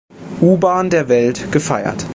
U-Bahn der Welt“ gefeiert.